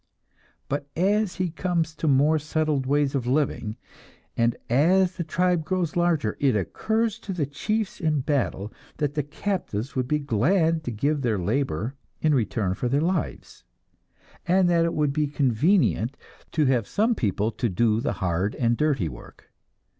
But as he comes to more settled ways of living, and as the tribe grows larger, it occurs to the chiefs in battle that the captives would be glad to give their labor in return for their lives, and that it would be convenient to have some people to do the hard and dirty work.